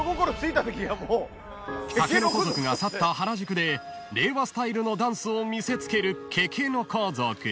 ［竹の子族が去った原宿で令和スタイルのダンスを見せつけるケケノコ族］